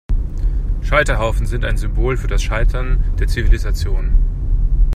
Scheiterhaufen sind ein Symbol für das Scheitern der Zivilisation.